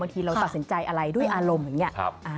ทีเราตัดสินใจอะไรด้วยอารมณ์อย่างนี้